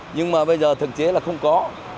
nhưng mà bây giờ thực chế là không có